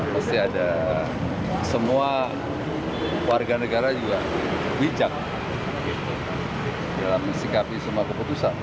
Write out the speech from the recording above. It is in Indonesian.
pasti ada semua warga negara juga bijak dalam mensikapi semua keputusan